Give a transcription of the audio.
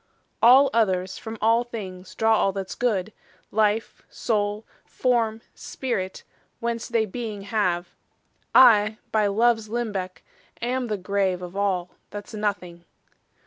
All others, from all things, draw all that's good, Life, soule, forme, spirit, whence they beeing have; I, by loves limbecke, am the grave Of all, that's nothing.